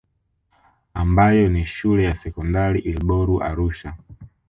Ambayo ni shule ya Sekondari Ilboru Arusha